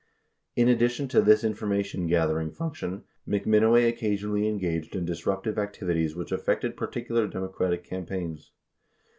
79 In addition to this information gathering function, McMinoway occasionally engaged in disruptive activities which affected particular Democratic campaigns.